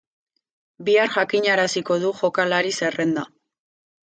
Bihar jakinaraziko du jokalari zerrenda.